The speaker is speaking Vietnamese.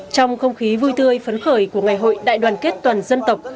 trong không khí vui tươi phấn khởi của ngày hội đại đoàn kết toàn dân tộc